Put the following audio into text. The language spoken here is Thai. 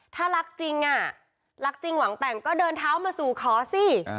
ถ้ารักจริงอ่ะรักจริงหวังแต่งก็เดินเท้ามาสู่ขอสิ